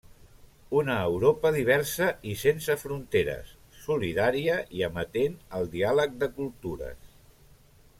Una Europa diversa i sense fronteres, solidària i amatent al diàleg de cultures.